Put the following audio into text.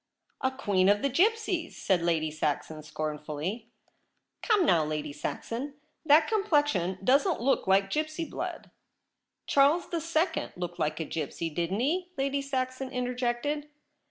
' A queen of the gipsies !' said Lady Saxon scornfully. INLTHE LOBBY. ii * Come now, Lady Saxon, that complexion doesn't look like gipsy blood.' ' Charles the Second looked like a gipsy, didn't he ?' Lady Saxon interjected.